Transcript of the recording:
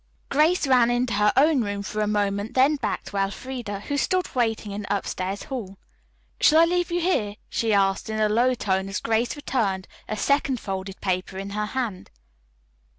Grace ran into her own room for a moment, then back to Elfreda, who stood waiting in the upstairs hall. "Shall I leave you here?" she asked in a low tone as Grace returned, a second folded paper in her hand.